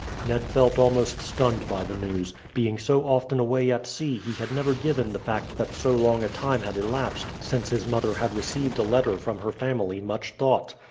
Ned felt almost stunned by the news; being so often away at sea he had never given the fact that so long a time had elapsed since his mother had received a letter from her family much thought.